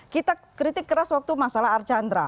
kita kritik keras waktu masalah archandra